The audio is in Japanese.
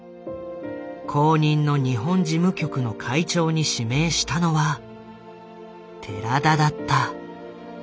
後任の日本事務局の会長に指名したのは寺田だった。